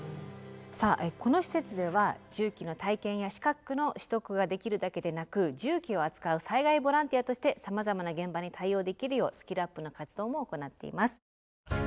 さあこの施設では重機の体験や資格の取得ができるだけでなく重機を扱う災害ボランティアとしてさまざまな現場に対応できるようスキルアップの活動も行っています。